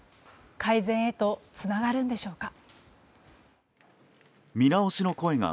改善へとつながるんでしょうか。